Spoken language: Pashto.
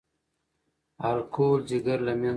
الکول ځیګر له منځه وړي.